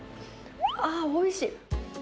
あー、おいしい。